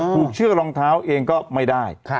เชือกรองเท้าเองก็ไม่ได้